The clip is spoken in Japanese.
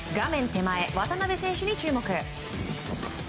手前、渡辺選手に注目。